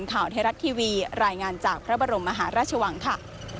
ข่าวไทยรัฐทีวีรายงานจากพระบรมมหาราชวังค่ะ